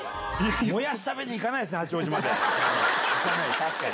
もやし食べに行かないですね、確かに。